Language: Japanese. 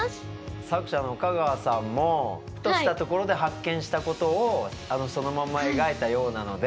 作者の香川さんもふとしたところで発見したことをそのまま描いたようなので。